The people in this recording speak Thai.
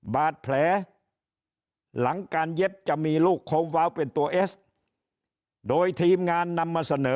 บาดแผลหลังการเย็บจะมีลูกโค้มว้าวเป็นตัวเอสโดยทีมงานนำมาเสนอ